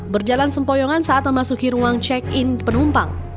berjalan sempoyongan saat memasuki ruang check in penumpang